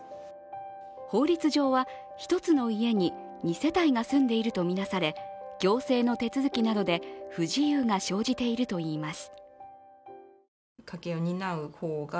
法律上は１つの家に２世帯が住んでいるとみなされ、行政の手続きなどで不自由が生じているといいます。